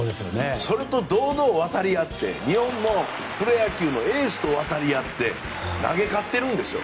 それと堂々と渡り合って日本のプロ野球のエースと渡り合って投げ勝ってるんですよ。